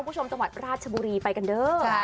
คุณผู้ชมจังหวัดราชบุรีไปกันเด้อ